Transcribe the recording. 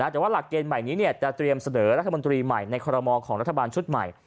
แต่ว่าหลักเกณฑ์ใหม่นี้จะเตรียมเสนอรัฐมนตรีใหม่ในคอรมอลของรัฐบาลชุดใหม่